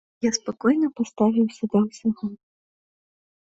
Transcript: Я спакойна паставіўся да ўсяго.